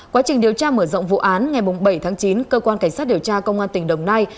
quá trình điều tra mở rộng vụ án ngày bảy tháng chín cơ quan cảnh sát điều tra công an tỉnh đồng nai